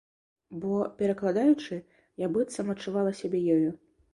Бо, перакладаючы, я быццам адчувала сябе ёю.